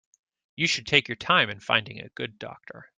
You should take your time in finding a good doctor.